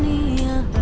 kita akan berdua